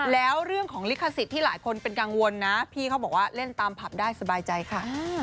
แล้วเรื่องของลิขสิทธิ์ที่หลายคนเป็นกังวลนะพี่เขาบอกว่าเล่นตามผับได้สบายใจค่ะ